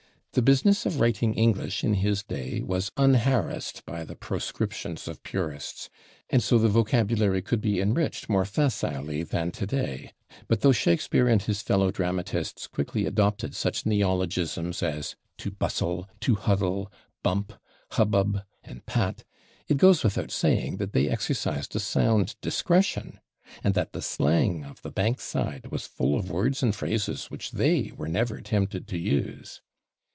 The business of writing English, in his day, was unharassed by the proscriptions of purists, and so the vocabulary could be enriched more facilely than today, but though Shakespeare and his fellow dramatists quickly adopted such neologisms as /to bustle/, /to huddle/, /bump/, /hubbub/ and /pat/, it goes without saying that they exercised a sound discretion and that the slang of the Bankside was full of words and phrases which they were never tempted to use.